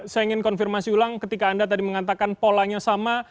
saya ingin konfirmasi ulang ketika anda tadi mengatakan polanya sama